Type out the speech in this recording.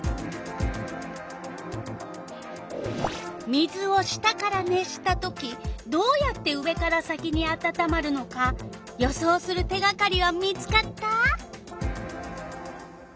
水を下から熱したときどうやって上から先にあたたまるのか予想する手がかりは見つかった？